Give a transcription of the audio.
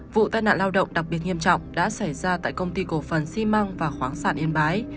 vụ tai nạn lao động đặc biệt nghiêm trọng đã xảy ra tại công ty cổ phần xi măng và khoáng sản yên bái